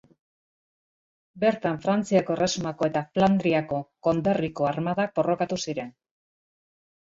Bertan Frantziako Erresumako eta Flandriako konderriko armadak borrokatu ziren.